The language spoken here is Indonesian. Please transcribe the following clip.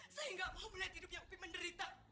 saya nggak mau melihat hidupnya upi menderita